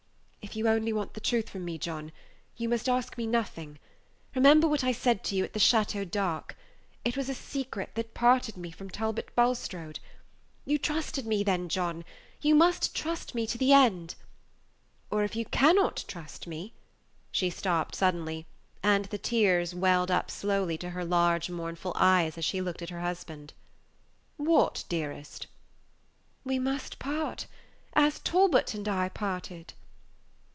"If you only want the truth from me, John, you must ask me nothing. Remember what I said to you at the Chateau d'Arques. It was a secret that parted me from Talbot Bulstrode. You trusted me then, John you must trust me to the end; or, if you can not trust me" she stopped suddenly, and the tears welled slowly up to her large, mournful eyes as she looked at her husband. "What, dearest?" "We must part as Talbot and I parted."